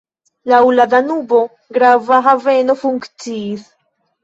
Laŭ la Danubo grava haveno funkciis.